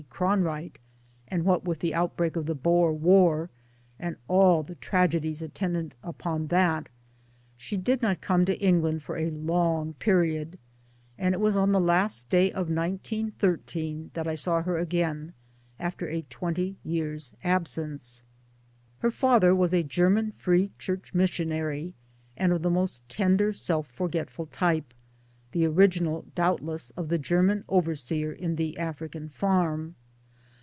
C. Cronwright, and what with the outbreak of the Boer War and all the tragedies attendant upon that, she did not come to England for a long period, and it was on the last day of 1913 that I saw her again, after a twenty years' absence. ;Her father was a German Free Church Missionary ^ of the most tender self forgetful type the original doubtless of the German overseer in The African Farm.